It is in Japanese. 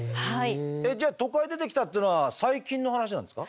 えっじゃあ都会出てきたっていうのは最近の話なんですか？